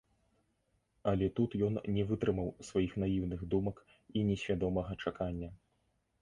Але тут ён не вытрымаў сваіх наіўных думак і несвядомага чакання.